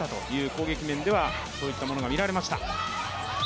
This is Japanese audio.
攻撃面ではそういったものが見られました。